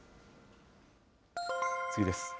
次です。